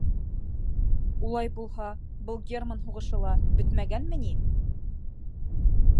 — Улай булһа, был герман һуғышы ла бөтмәгәнме ни?